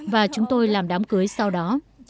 và chúng tôi làm đám cưới sau đó